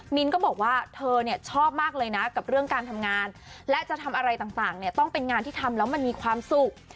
มินก็บอกว่าเธอเนี่ยชอบมากเลยนะกับเรื่องการทำงานและจะทำอะไรต่างเนี่ยต้องเป็นงานที่ทำแล้วมันมีความสุข